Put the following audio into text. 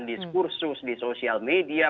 dan diskursus di social media